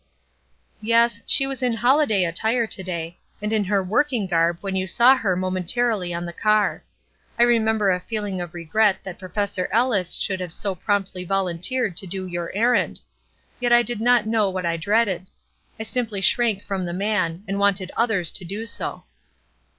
"Yes; she was in holiday attire to day, and in her working garb when you saw her momentarily on the car. I remember a feeling of regret that Professor Ellis should have so promptly volunteered to do your errand: yet I did not know what I dreaded. I simply shrank from the man, and wanted others to do so."